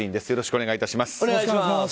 よろしくお願いします。